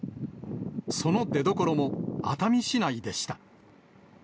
その出どころも熱海市内でした。